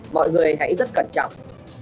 mọi người hãy rất cẩn trọng